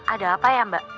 ada apa ya mbak